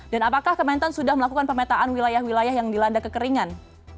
dan apakah kementan sudah melakukan pemetaan wilayah wilayah yang dilanda kekeringan